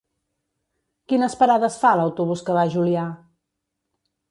Quines parades fa l'autobús que va a Juià?